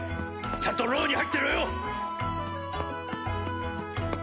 ちゃんと牢に入ってろよ！